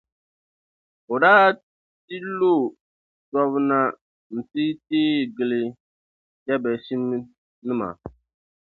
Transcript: o daa ti lo tɔb’ na nti teei gili Jabɛshinima.